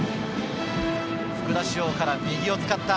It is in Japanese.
福田師王から右を使った。